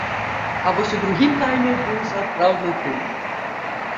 А вось у другім тайме быў сапраўдны трылер.